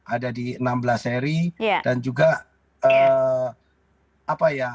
ada di enam belas seri dan juga apa ya